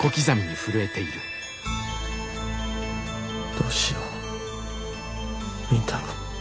どうしよう倫太郎。